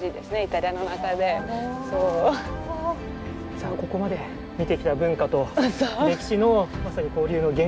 じゃあここまで見てきた文化と歴史のまさに交流の玄関口。